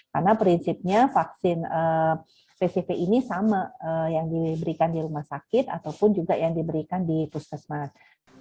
karena prinsipnya vaksin pcv ini sama yang diberikan di rumah sakit ataupun juga yang diberikan di puskesmas